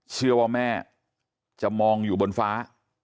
เชื่อว่าแม่จะมองอยู่บนฟ้า